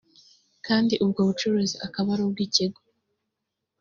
kandi ubwo bucuruzi akaba ari ubwo ikigo